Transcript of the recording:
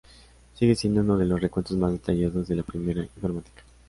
Sigue siendo uno de los recuentos más detallados de la primera informática.